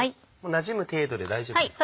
なじむ程度で大丈夫ですか？